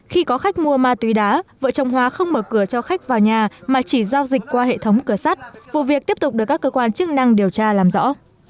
khi có khách mua ma túy đá vợ chồng hóa không mở cửa cho khách vào nhà mà chỉ giao dịch qua hệ thống cửa sắt vụ việc tiếp tục được các cơ quan chức năng điều tra làm rõ